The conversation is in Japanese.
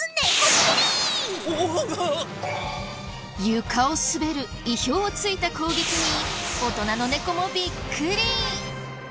床を滑る意表を突いた攻撃に大人の猫もビックリ！